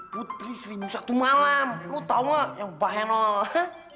putri seribu satu malam lo tau gak yang bahenol